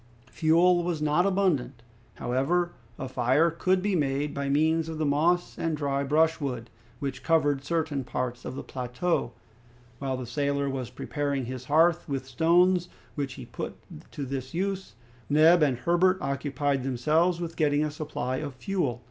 Fuel was not abundant. However, a fire could be made by means of the moss and dry brushwood, which covered certain parts of the plateau. While the sailor was preparing his hearth with stones which he put to this use, Neb and Herbert occupied themselves with getting a supply of fuel.